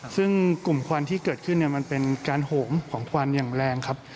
ซึ่งกลุ่มควันที่เกิดขึ้นมันเป็นการโหมของควันอย่างแรงครับ